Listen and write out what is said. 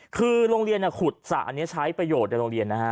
คือโรงเรียนขุดสระอันนี้ใช้ประโยชน์ในโรงเรียนนะฮะ